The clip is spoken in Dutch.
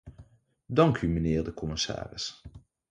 Dank u mijnheer de commissaris.